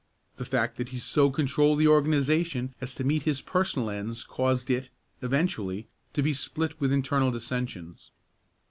The fact that he so controlled the organization as to meet his personal ends caused it, eventually, to be split with internal dissensions.